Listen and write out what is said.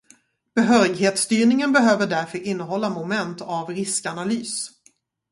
Behörighetsstyrningen behöver därför innehålla moment av riskanalys.